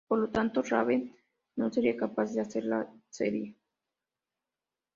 Por lo tanto, Raven no sería capaz de hacer la serie.